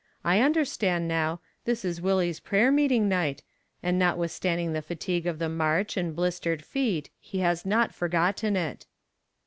I understand now; this is Willie's prayer meeting night, and notwithstanding the fatigue of the march and blistered feet, he has not forgotten it."